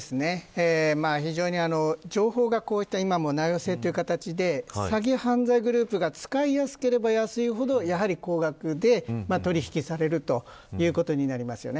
非常に情報がこういった名寄せという形で詐欺犯罪グループが使いやすければ、やすいほどやはり高額で取り引きされるということになりますよね。